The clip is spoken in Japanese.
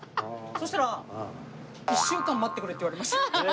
そしたら１週間待ってくれって言われました。